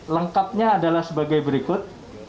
lengkapnya adalah sebagai berikut